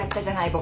僕。